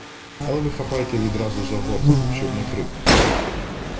Але ви хапайте відразу за горло, щоб не крикнув.